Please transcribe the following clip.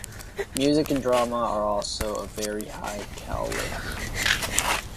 Music and drama are also of very high calibre.